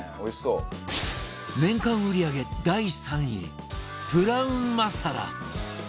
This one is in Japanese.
年間売り上げ第３位プラウンマサラ